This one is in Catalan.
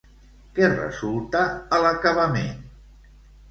Què resulta a l'acabament?